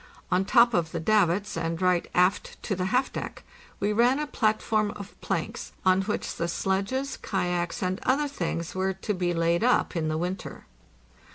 On top of the davits, and right aft to the half deck, we ran a platform of planks, on which the sledges, kayaks, and other things were to be laid up in the winter.